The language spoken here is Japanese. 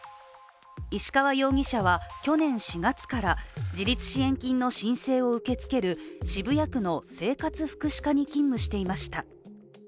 石川容疑者は去年４月から自立支援金の申請を受け付ける渋谷区の生活福祉課に勤務していました。